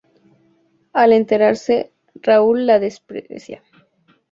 Al enterarse, Raúl la desprecia.